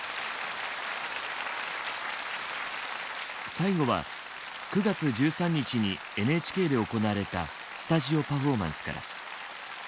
最後は９月１３日にＮＨＫで行われたスタジオパフォーマンスから。